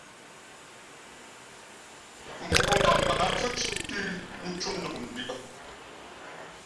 Mǒʼ ngam mbǎʼ fhʉ́ thʉ́ tʉ̄ ncō ndomndʉ̄ᾱ.